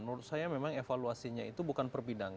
menurut saya memang evaluasinya itu bukan per bidang